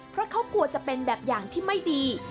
เพราะเขากลัวจะเป็นแบบอย่างที่ไม่ดี